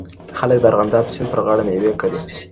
خلک د ارغنداب سیند پر غاړه مېوې کري.